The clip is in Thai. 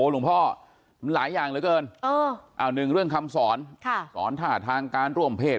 ลุงพ่อหลายอย่างเหลือเกินเออเอาหนึ่งเรื่องคำสอนค่ะสอนท่าทางการร่วมเพศ